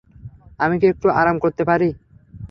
আমি কি একটু আরাম করতে পারি?